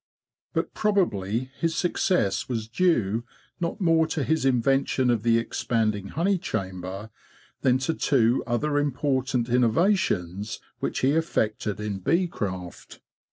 But probably his success was due not more to his invention of the expanding honey chamber than to two other important innovations which he effected EVOLUTION OF THE MODERN HIVE 219 in bee craft.